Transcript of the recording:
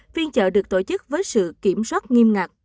phiên chợ được tổ chức với sự kiểm soát nghiêm ngặt